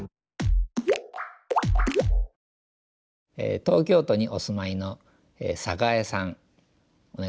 東京都にお住まいのサガエさんお願いします。